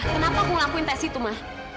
kenapa aku ngelakuin tes itu ma